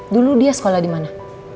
dulu dia sekolah dimana